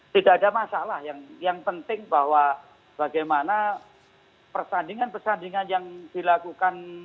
tidak ada masalah yang penting bahwa bagaimana persandingan pertandingan yang dilakukan